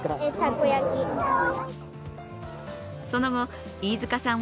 その後、飯塚さん